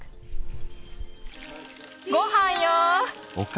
・ごはんよ！